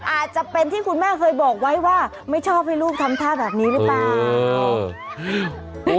อาจจะเป็นที่คุณแม่เคยบอกไว้ว่าไม่ชอบให้ลูกทำท่าแบบนี้หรือเปล่า